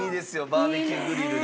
バーベキューグリルで。